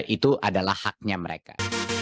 itu adalah haknya mereka